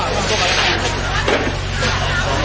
กินกว่าอีกแล้วนะครับ